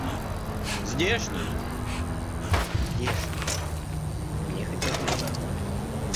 Здешний? – Здешний, – нехотя ответил Квакин.